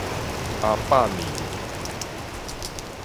阿百尼